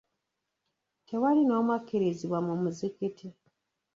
Tewali n'omu akkirizibwa mu muzikiti.